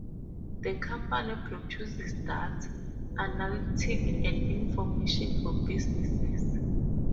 The company produces data, analytics and information for businesses.